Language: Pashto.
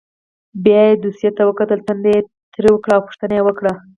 بیا یې دوسیې ته وکتل ټنډه یې تروه کړه او پوښتنه یې وکړه.